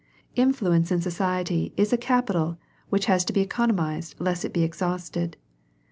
Influence in society is a capital which has to be economized lest it be exhausted.